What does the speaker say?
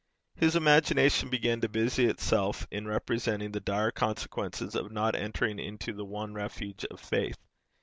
His imagination began to busy itself in representing the dire consequences of not entering into the one refuge of faith.